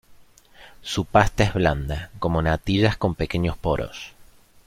Su pasta es blanda, como natillas con pequeños poros.